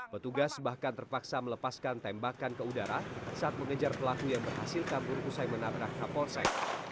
petugas bahkan terpaksa melepaskan tembakan ke udara saat mengejar pelaku yang berhasil kabur usai menabrak kapolsek